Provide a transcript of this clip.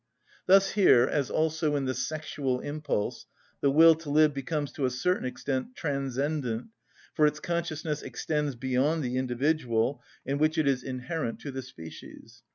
Thus here, as also in the sexual impulse, the will to live becomes to a certain extent transcendent, for its consciousness extends beyond the individual, in which it is inherent, to the species.